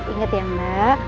ingat ya mbak